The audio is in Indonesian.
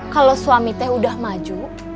kalau suami teh sudah maju